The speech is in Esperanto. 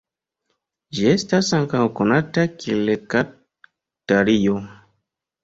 Ĝi estas ankaŭ konata kiel eka-talio.